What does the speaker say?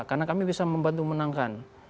karena kami bisa membantu menangkan